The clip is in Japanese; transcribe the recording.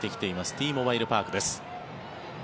Ｔモバイル・パークです。